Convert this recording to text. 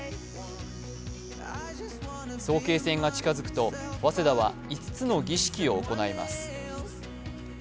早慶戦が近づくと早稲田は５つの儀式を行います。